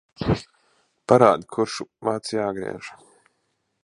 Parādi, kurš vads jāgriež.